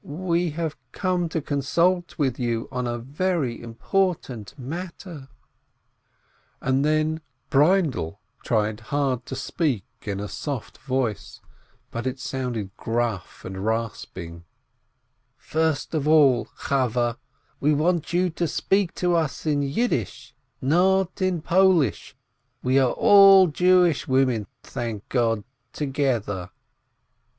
We have come to consult with you on a very important matter I" And then Breindel tried hard to speak in a soft voice, but it sounded gruff and rasping: "First of all, Chaweh, we want you to speak to us in Yiddish, not in Polish. We are all Jewish women, thank God, together